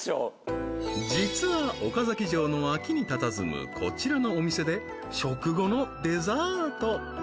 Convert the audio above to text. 実は岡崎城の脇にたたずむこちらのお店で食後のデザート！